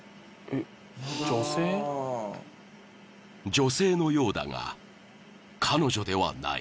［女性のようだが彼女ではない］